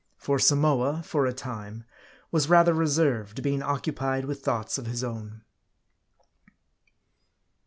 For Samoa, for a time, was rather reserved, being occupied with thoughts of his own.